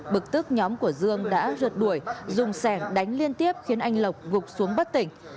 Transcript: bực tức nhóm của dương đã rượt đuổi dùng sẻng đánh liên tiếp khiến anh lộc gục xuống bất tỉnh